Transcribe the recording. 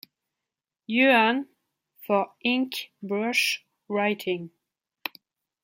Yuan for ink brush writing.